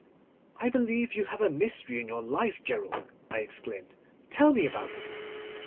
'I believe you have a mystery in your life, Gerald,' I exclaimed; 'tell me about it.